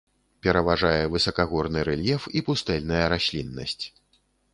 Пераважае высакагорны рэльеф і пустэльная расліннасць.